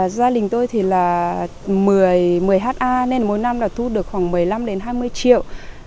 gia đình tôi thì là một mươi ha nên mỗi năm là thu được khoảng một mươi năm đến hai mươi triệu